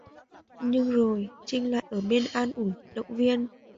Nhưng rồi Chinh lại ở bên An ủi động viên